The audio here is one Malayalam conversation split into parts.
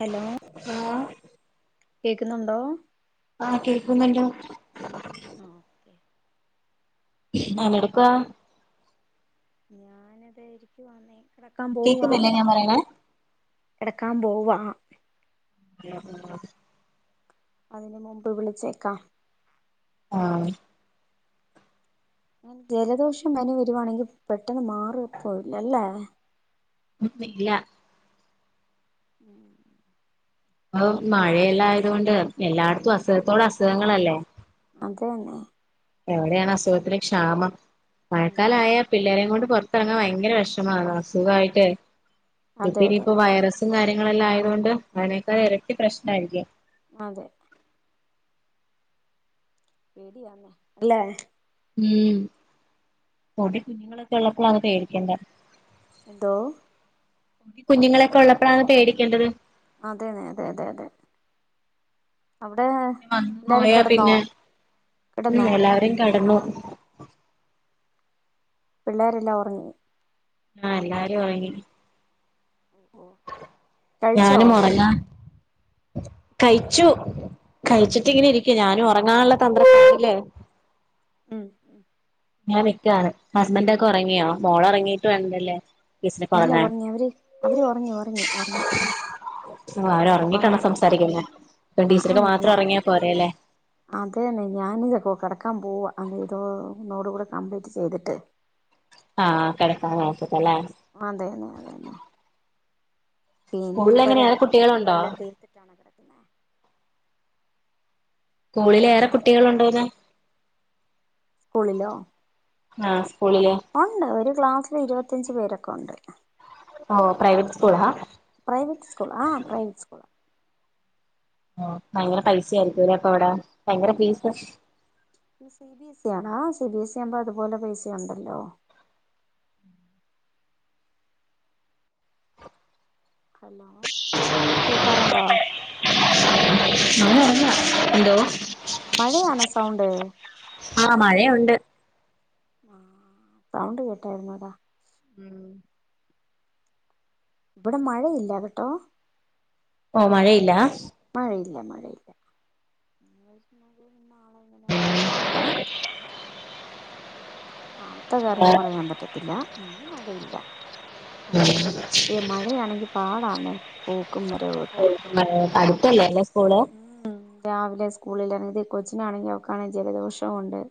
ഹലോ കേക്കുന്നുണ്ടോ ആ കേൾക്കുന്നുണ്ട് ഓക്കെ പണിയിട്ക്കുവാ ഞാനിതാ ഇരിക്കുവാണെ കെടക്കാൻ പോവാ കേക്കുന്നില്ലേ ഞാൻ പറയണേ കെടക്കാൻ പോവാ ആ കേക്കുന്നു അതിനു മുൻപ് വിളിച്ചേക്കാം ആ ജലദോഷം പനി വരുവാണെങ്കി പെട്ടൊന്ന് മാറുതു ഇല്ലല്ലേ ഇല്ല മൂ ഇപ്പൊ മഴ എല്ലാം ആയതോണ്ട് എല്ലാടത്തും അസുഖത്തോട് അസുഖങ്ങളല്ലേ അതന്നെ എവിടെയാണ് അസുഖത്തിന് ക്ഷാമം മഴക്കാലം ഉം അയ പിള്ളേരേം കൊണ്ട് പൊറത്ത് ഇറങ്ങാൻ ഭയങ്കര വെഷമം ആണ് അസുഖം ആയിട്ട് ഇപ്പൊ അതെ അതെ ഇനിപ്പോ വയറസ് സും കാര്യങ്ങളും എല്ലാം ആയതോണ്ട് അതിനേക്കാൾ ഇരട്ടി പ്രശ്നം ആയിരിക്കും അതെ പേടി ആകുന്നു അല്ലെ മൂ പൊടികുഞ്ഞുങ്ങൾ ഒക്കെ ഉള്ളപ്പളാണ് പേടിക്കേണ്ടെ എന്തോ പൊടികുഞ്ഞുങ്ങൾ ഒക്കെ ഉള്ളപ്പളാണ് പേടിക്കേണ്ടത് അതെയതെ യതേ വന്നു പോയ പിന്നെ ഉം കിടന്നോ എല്ലാരും കെടന്നു പിള്ളേരെല്ലാം ഉറങ്ങി ആ എല്ലാരും ഉറങ്ങി. ആഹ് ഞാനും ഉറങ്ങാൻ കഴിച്ചു കഴിച്ചിട്ടിങ്ങനെ ഇരിക്ക ഞാനും ഉറങ്ങാൻ ഉള്ള തന്ദ്രപ്പാടിൽ- ഉം ഇങ്ങനെ നിക്കാണ് ഹസ്ബൻഡ് ഒക്കെ ഉറങ്ങിയോ മോൾ ഉറങ്ങിയിട്ട് കാണാല്ലോലെ അല്ല ഉറങ്ങി അവർ ഉറങ്ങി ഉറങ്ങി ഉറങ്ങി ഉറങ്ങി. [inaudible] അവർ ഉറങ്ങിയിട്ട് വേണം സംസാരിക്കാൻ ലേ ഇനി ആ ടീച്ചർക്ക് ആ മാത്രം ഉറങ്ങിയാ പോരെ ലേ അതേതോ ഇതും കൂടെ കംപ്ലീറ്റ് ചെയ്തിട്ട് ആ കിടക്കാൻ നേരത്ത്തത് ലേ അതന്നെ അതന്നെ. പിന്നെ സ്കൂളിൽ പ്പോ എങ്ങനെയാ ഏറെ രാത്രി കുട്ടികളുണ്ടോ പണികളെല്ലാം തീർത്തിട്ടാണല്ലോ സ്കൂളിൽ ഏറെ കുട്ടികളുണ്ടോന്ന് സ്കൂളിലോ? ആഹ് സ്കൂളില് ഉണ്ട് ഒരു ക്ലാസ്സിൽ ഇരുപത്തഞ്ചു പേരൊക്കെ ഉണ്ട്. ഓ പ്രൈവറ്റ് സ്കൂളാ പ്രൈവറ്റ് സ്കൂൾ ആ പ്രൈവറ്റ് സ്കൂൾ ഭയങ്കര പൈസ ആയിരിക്കും ലേ അപ്പൊ അവിടെ ഭയങ്കര ഫീസ് ആ സി ബി എസ് സി ആകുമ്പോ അത് പോലെ പൈസ ഉണ്ടല്ലോ കേക്കാറുണ്ടോ ഞാൻ ഇറങ്ങാ എന്തോ മഴയാണോ സൗണ്ട് ആ മഴയുണ്ട് സൗണ്ട് കേട്ടായിരുന്നെടാ? ഇവിടെ മഴയില്ല കേട്ടോ ഓ മഴയില്ല മഴയില്ല മഴയില്ല എന്താ നാളത്തെ കാര്യം ആഹ് പറയാൻ പറ്റില്ല ഇല്ല ഇന്ന് മഴയില്ല ഈ മഴയാണെങ്കിൽ പാടണെ പോക്കും വരവൊക്കെ അടുത്തല്ലേ [inaudible] രാവിലെ സ്ക്കൂ- [inaudible] കൊച്ചിനാണെങ്കിൽ ഓക്കാനും ജലദോഷവും ഉണ്ട്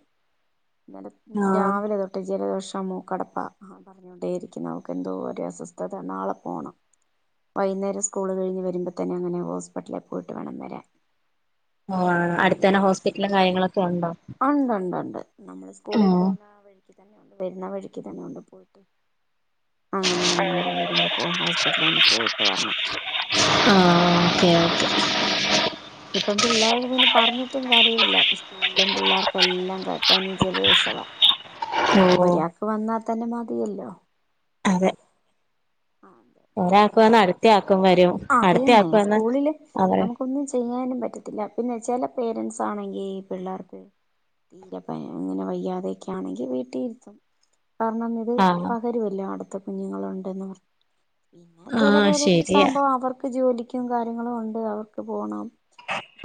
ആഹ് രാവിലെ തൊട് ജലദോഷം അ മൂക്കടപ്പാ അവൾക്ക് എതോരസ്വസ്ഥത നാളെ പോണംവൈനേരം സ്കൂൾ കഴിഞ്ഞ് വരുമ്പോ തന്നെ ഹോസ്പിലിൽ പോയി [inaudible] അ അടുത്തന്നെ ഹോസ്പിറ്റലും കാര്യങ്ങളൊക്കെ ഉണ്ടോ ആ ഉണ്ട് ഉണ്ട് നമ്മളു സ്കുളിൽ ആഹ് വരുന്ന വഴിക്ക് തന്നെയുണ്ട് പോയിട്ട് അങ്ങനെ വൈകുന്നേരം വരുമ്പോ ഹോസ്പിറ്റലിൽ ഒന്നു പോയിട്ട് വരണം ആ ഓക്കെ ഇപ്പം പിള്ളാരെയൊന്നും പറഞ്ഞിട്ട് കാര്യമില്ല സ്‌കൂളിലെ പിള്ളേർക്കെല്ലാം പനിയും ജലദോഷവുമാ ഒരാൾക്ക് വന്നാൽ [inaudible] അതെ അ ഒരാൾക്ക് വന്നാൽ അടുത്ത ആൾക്ക് ആക്കും വരും അത് അടുത്ത തന്നെ വന്ന സ്‌കൂളില് അവരെ നമുക്കൊന്നും ചെയ്യാനും പറ്റത്തില്ല പിന്നെ ചില പേരൻസ് ആണെങ്കിൽ പിള്ളേർക്ക് തീരെ ഇങ്ങനെ വയ്യാതൊക്കെ ആണെങ്കിൽ വീട്ടിലിരുത്തും പറഞ്ഞന്നത് ആഹ് പകരുമല്ലോ അടുത്തത് കുഞ്ഞുങ്ങളുണ്ടെന്ന് പറഞ്ഞ് അത് ചെലപ്പോ ആഹ് ഒരു ശരിയാ സാമ്പാർ ജോലിക്കും കാര്യങ്ങളുമുണ്ട് അവർക്ക് പോണം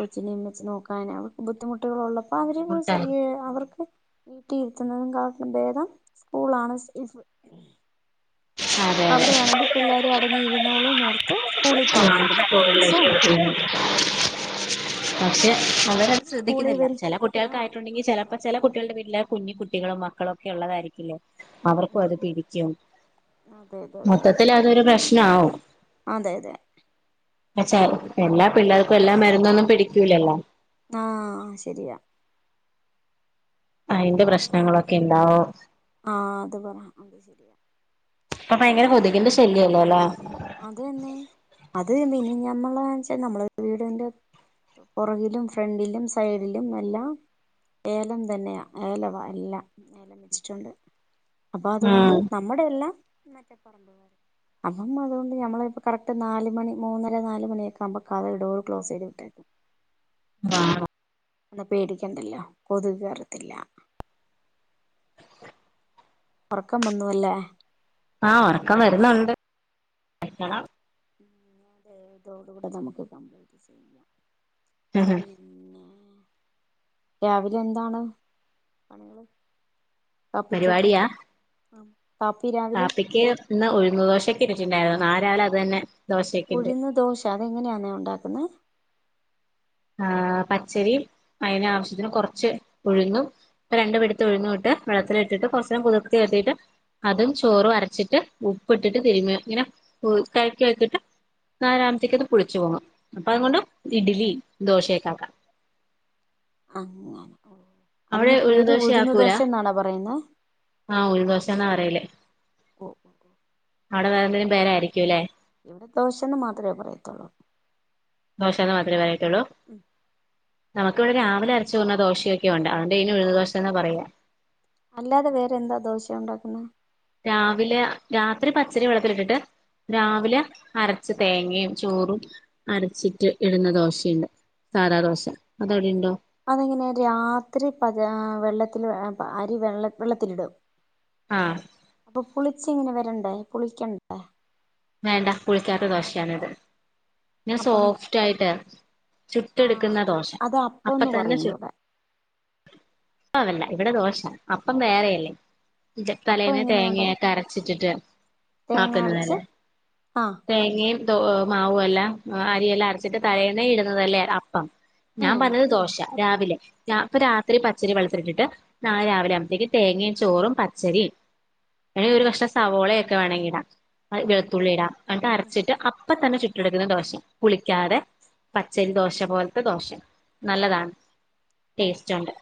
കൊച്ചിനേം വെച്ച് നോക്ക- ആണോ ബുദ്ധിമുട്ട് കുട്ടോള് ഉള്ളപ്പോ അവര് അതെ അവർക്ക് [inaudible] അതെ അവിടെയാണെങ്കിൽ പിള്ളേര് അടങ്ങിയിരുന്നോളും എന്നോർത്ത് സ്‌കൂളിൽ പറഞ്ഞ് വിടുന്ന പേരൻസുമുണ്ട് അവരത് ശ്രദ്ധിക്കുന്നില്ല ചെല ആഹ് കുട്ടികൾക്കായിട്ടുണ്ടെങ്കിൽ ചിലപ്പോ ചെല കുട്ടികളുടെ വീട്ടിൽ ല്ല കുഞ്ഞി കുട്ടികളും മക്കളു ഒക്കെ ഉം അവർക്കും ഉം അത് തിരിച്ചും അതെ അതെ അതെ മൊത്തത്തിൽ അതൊരു പ്രശ്നാവും അതെ അതെ അതെ ച്ചാൽഎല്ലാ പിള്ളേർക്കും എല്ലാം മരുന്നൊന്നും പിടിക്കൂലല്ലോ ആ ശരിയാ അയിന്റെ [unintelligible] പ്രശ്നങ്ങളൊക്കെ ഇണ്ടാവും അത് പറ അത് ശരിയാവും ഇപ്പൊ ഭയങ്കര കൊതുകിന്റെ ശല്യം ല്ലല്ലേ അതെന്നെ അത് മിനിഞമ്മളെ ച്ചാ വീടിന്റെ പൊറകിലുഫ്രണ്ടിലും സൈഡിലും എല്ലാം ഏലം തന്നെയാ ഏലം വച്ചി ട്ടുണ്ട് അപ്പോഅതുകൊണ്ട് ഉം നമ്മുടെയെല്ലാം അപ്പോ അതുകൊണ്ട് നമ്മൾ കറക്റ്റ് നാലു മണി മൂന്നരനാല് മണി ആവുബോഡോറ് ക്ലോസ് ചെയ്തു വിട്ടേക്കും [unintelligible] എന്നാ പേടിക്കണ്ടല്ലോ കൊതുക് വരത്തില്ല ഉറക്കം വന്നു ലേ ആ ഉറക്കം വരുന്നുണ്ട് [unintelligible] ഇതോടുകൂടെ നമുക്ക് കംപ്ലീറ്റ് ചെയ്യാം പിന്നെ രാവിലെ എന്താണ് പണികള് കാപ്പിക്കൊക്കെ പരിപാടിയാ ആ കാപ്പി രാവിലെ കാപ്പിക്ക് ഇന്ന് ഉഴുന്നു ദോശക്ക് രിച്ചിരുന്നു നാളെ രാവിലെ അതന്നെ ഉഴുന്ന് ദോശ അത് എങ്ങനെ നാ ഉണ്ടാക്കുന്ന ആ പച്ചരി ആവശ്യത്തിന് കുറച്ച് ഉഴുന്നും രണ്ട് പിടുത്തം ഉഴുന്നുട്ട് വളത്തിലിട്ട് കുറച്ച് നേരം കുതിർത്തിയട്ട്അതും ചോറും അരച്ചിട്ട് ഉപ്പിട്ട്ട്ട്തിരുമേ ഈ ങ്ങ നെ തഴക്കി ആക്കിട്ട്നാളെ ആവുത്തെ ക്ക് പുളിച്ച് പൊങ്ങും ദോശയക്കാക്ക അങ്ങനെ അതിന് പേര് ഉഴുന്ന് ദോശ ന്നാണോ പറയണേ ആ ഉഴുന്ന് ദോശന്നാ പറയല് ഒ അവിടെ വേറെന്തെങ്കിലും പേര് ആയിരിക്കുല്ലേ ഇവിടെ ദോഷ്ന്ന് മാത്രേ പറയാത്തുള്ളൂ ദോശ മാത്രേപറയൂ എടോ നമുക്ക് ഇവിടെ രാവിലെ അരച്ചിടുന്ന ദേഷയുണ്ട് അപ്പോ തിന് ഉഴുന്നദേശന്നാ പറയാ അല്ലാതെ വേറെന്താ ദോശ ഉണ്ടാക്കുന്ന രാവിലെ രാത്രി പച്ചരി വെള്ളത്തിലിട്ടിട്ട് രാവിലെ അര തേങ്ങേച്ചോറും അരച്ചിട്ട് ഇടുന്ന ദോശയുണ്ട് സദാ ദേശ അതവിടെ ഉണ്ടോ അതെങ്ങനെ രാത്രി പതി ആ വെള്ളത്തില് അരി വെള്ളത്തിലിടും ആഹ് അപ്പൊ പുളിച്ച് ഇങ്ങനെ വരണ്ടേ പുളിക്കണ്ടേ വേണ്ട പുളിക്കാത്ത ദോശയാണിത് നല്ല അപ്പം സോഫ്റ്റ് ആയിട്ട് ആ ചുട്ടെടുക്കുന്ന ദോശ അത് അപ്പൊ അപ്പംന്ന് തന്നെ പറയും ചുട്ടെ ഇവിടെ ആണല്ലേ ഇവിടെ ദോശ അപ്പം വേറെയല്ലേ അപ്പം തലേന്ന് എങ്ങനെയ ഉണ്ട തേങ്ങ അരച്ചിട്ടാണ് [inaudible] തേങ്ങ അരച്ച് ആഹ് ദോ മാവ് എല്ലാംഅരിയെല്ലാം അരച്ചിട്ട് തലേന്ന് ഇടുന്നതല്ലേ അപ്പം ഞാൻ ഉം പറഞ്ഞത് ദോശ രാവിലെ രാഇപ്പോ രാത്രി പത്ത് ച്ചരി വെള്ളത്തിലിട്ടിട്ട് നാളെ രാവിലെ ആകുമ്പോഴേക്കും തേങ്ങയും ചോറും പച്ചരി വേണെങ്കിൽ ഒരു കഷണംസവാളയൊക്കെ വേണെങ്കിൽ ഇടാം അതിൽ വെളുത്തുള്ളി ഇടാം എന്നിട്ട് അരച്ചിട്ട് അപ്പ അപ്പത്തന്നെ ചുട്ടെടുക്കുന്ന ദോശ പുളിക്കാത പച്ചരി ദോശ പോലത്തെ ദോശ നല്ലതാണ് ടേസ്റ്റ് ഉണ്ട്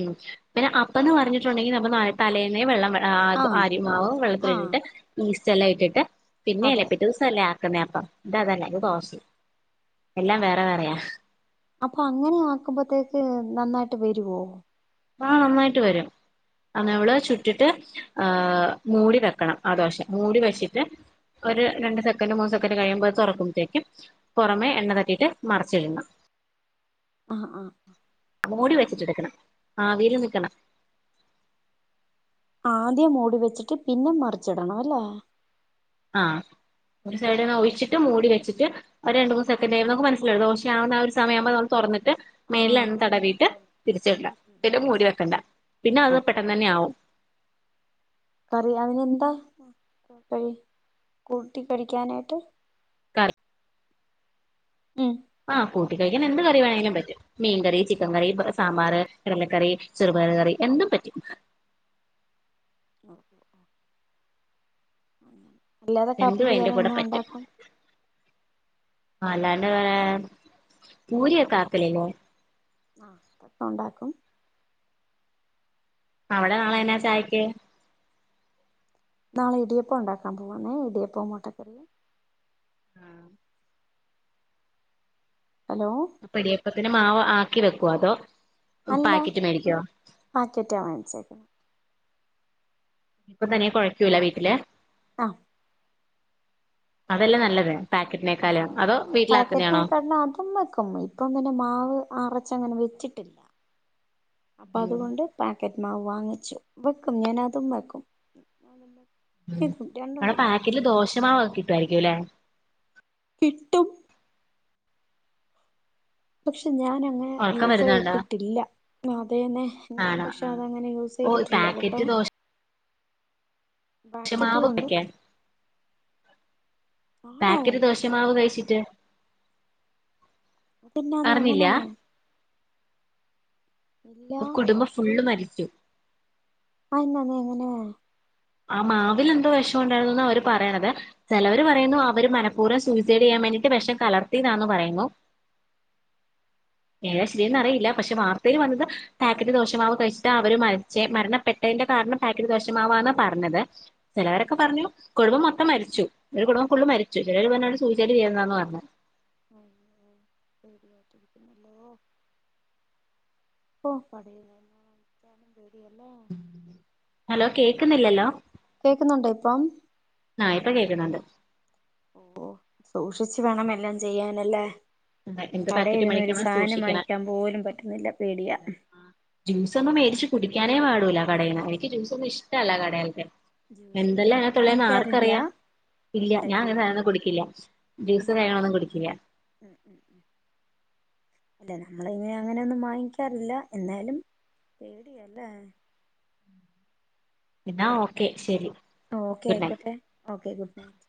ഉംപിന്നെ അപ്പന്ന് പറഞ്ഞിട്ടുണ്ടെങ്കിൽ നമുക്ക് തലേന്ന് വെള്ള ആ ആഹ് അരിമാവ് ആഹ് വെള്ളത്തിലിട്ടിട്ട് ഈസ്റ്റ ഇതെല്ലാം ഇട്ടിട്ട് പിന്നെയല്ലേ അതെ പിറ്റെ ദിവസല്ല അ അതന്നപ്പം ഇതതല്ല ഇത് ദോശ എല്ലാം വേറെ വേറെയാ അപ്പൊ അങ്ങനെ ആകുമ്പത്തേക്ക് നന്നായിട്ട് വരുവോ ആ നന്നായിട്ട് വരും നമ്മുടെ ചുട്ടിട്ട് ആ മൂടി വയ്ക്കണം ആദോശ മൂടി വച്ചിട്ട് ഒരു രണ്ടു സ്ഥ രണ്ടുമൂന്ന് സെക്കൻഡ് കഴിയുമ്പോ അത് തൊറക്കുമ്പഴ്ത്തേക്കും പുറമേ എണ്ണ തട്ടിയിട്ട് മറച്ചിടണം ആ ആ മൂടി വെച്ചിട്ട് എടുക്കണം ആവിയില് നിക്കണം ആദ്യം മൂടിവച്ചിട്ട് പിന്നെ മറിച്ചിടണം അല്ലേ ആ ഒരു സൈഡ്ന്ന് ഒഴിച്ചിട്ട് മൂടി വെച്ചിട്ട് ഒര് രണ്ടുമൂന്ന് സെക്കൻഡ് കഴിയുമ്പോ നമുക്ക് മനസ്സിലാവും ദോശയാവുന്ന ആ ഒരു സമയമാകുമ്പോ അത് തൊന്നിട്ട് ട്ട് മേളില് ആഹ് എണ്ണ തടവീയിട്ട് മനസ്സിലായി തിരിച്ചിടണ്ടാ ഉം ഉം പിന്നെ മൂടി വെക്കണ്ട പിന്നെ അത് പെട്ടെന്ന് തന്നെ ആവും കറിയാവിനെന്താ കഴി കൂട്ടി കഴിക്കാനായിട്ട് കറി ഉം ആ കൂട്ടി കഴിക്കാൻ എന്ത് കറി വേണേലും പറ്റും മീൻ കറി, ചിക്കൻ കറി, സാമ്പാറ്, കടലക്കറി, ചെറുപയറ് കറി എന്തും പറ്റും അല്ലാതെ എന്തും കാപ്പിക്ക് അതിന്റെ വേറെ കൂടെ എന്നാ പറ്റും ഒണ്ടാക്കും അല്ലാണ്ട് പൂരി ഒക്കെ ആക്കിലില്ലോ? ആ [unintelligible] ഒണ്ടാക്കും അവടെ നാളെയെന്നാ ചായക്ക് നാളെ ഇടിയപ്പം ഉണ്ടാക്കാൻ പോവാണേ ഇടിയപ്പോം മുട്ടക്കറിയും ആഹ ഹലോ അപ്പം ഇടിയപ്പം പിന്നെ മാവ് ആക്കി വെക്കോ അതോ? അല്ല പാക്കറ്റ് മേടിക്കോ പാക്കറ്റ് വേങ്ങിച്ചേക്ക ഇപ്പ തന്നെ കുഴയ്ക്കൂല വീട്ടില് ആഹ് അതെല്ലേ നല്ലത് പാക്കറ്റിനേക്കാലും പാക്കറ്റിനകത്ത് അതും വക്കും ഇപ്പം പിന്നെ മാവ് അര അങ്ങനെ വെച്ചിട്ടില്ല അപ്പൊ ഉം അതുകൊണ്ട് പ പാക്കറ്റ് മാവ് വാങ്ങിച്ചു വെക്കും ഞാൻ അതും വെക്കും ഇതും രണ്ടും കൂടെ [unintelligible] മാവൊക്കെ കിട്ടുവാരിക്കൂം അല്ലേ കിട്ടും പക്ഷെ ഞാനങ്ങനെ ഉറക്കം യൂസ് വരുന്നുണ്ടോ ചെയ്തിട്ടില്ല അതന്നെ ഞാൻ ആണോ പക്ഷെ ആണോ അതങ്ങനെ യൂസ് ഓ ചെയ്തിട്ടില്ല കേട്ടോ. പാക്കറ്റ് ബാക്കറ്റ് ദോശമാവ് കൊണ്ട് ഒക്കെ പാക്കറ്റ് ദോശ മാവ് കഴിച്ചി ജെ പിന്നെ എങ്ങനെ? കുടുംബം ഫുള്ള് മരി ച്ചു ആന്ന എങ്ങനെ? ആ മാവിൽ എന്തോ വിഷം ഉണ്ടായിരുന്നു അവർ പറയണത് ചിലവർ പറയുന്നു അവർ മനഃപൂർവ്വം സൂസൈഡ് ചെയ്യാൻ വേണ്ടിട്ട് വിഷം കലർത്തിയതാന്ന് പറയുന്നു. ഏാ ശരിയെന്ന് അറിയില്ല പക്ഷേ വാർ അവർ വന്നത് പാക്കറ്റ് ദോഷ മാവ് കഴിച്ചിട്ട് അവര് മരിച്ചേ മരണപ്പെട്ടതിന്റെ കാരണം പാക്കറ്റ് ദോഷ മാവാന്ന് പറഞ്ഞത് ചിലവരൊക്കെ പറഞ്ഞു കുടുംബം മൊത്തം മരിച്ചു ഒരു കുടുംബം ഫൂള്ളും മരിച്ചു ചില പറഞ്ഞത് സൂസൈഡ് ചെയ്യുന്നതാന്ന് പറഞ്ഞു [inaudible] ഹലോ കേക്കുന്നില്ലല്ലോ. കേക്കുന്നുണ്ടോ ഇപ്പം? ആ ഇപ്പ കേക്കുന്നുണ്ട് ഓ സൂക്ഷിച്ച് വേണം എല്ലാം ചെയ്യാനല്ലേ. എന്ത് പാക്കറ്റ് കടയിരുന്ന ഒരു സാധനം വാങ്ങിക്കാൻ പോലും പറ്റുന്നില്ല. പേടിയാ [unintelligible] ഒന്നും മേടിച്ചി കുടിക്കാനേ പാടൂല കടേന്ന് എനിക്ക് ഡ്രിംങ്സ് ഒന്നും ഇഷ്ടല്ല കടേൽത്തെ ജ്യൂസൊന്നും എന്തെല്ലാ അങ്ങനെ അയിനാത്ത് ഇള്ളേന്ന് ആർക്ക് വാങ്ങിക്കാറില്ല അറിയാ ഇല്ലാ അല്ല ഞാൻ ജ്യൂ അങ്ങനത്തെ സാനം ഒന്നും കുടിക്കില്ല ജ്യൂസ്‌ ഉം ഉം കാര്യങ്ങൾ ഒന്നും കുടിക്കില്ല അല്ല നമ്മളെ ഇങ്ങനെ അങ്ങനെ ഒന്നും വാങ്ങിക്കാറില്ല എന്നാലും പേടിയാ അല്ലേ. എന്നാ ഓക്കേ ശരി ഓക്കേ ഗുഡ് നൈറ്റ് ആയിക്കോട്ടേ ഒക്കെ ഗുഡ് നൈറ്റ്‌.